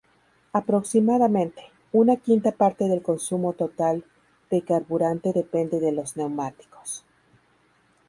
Aproximadamente, una quinta parte del consumo total de carburante depende de los neumáticos.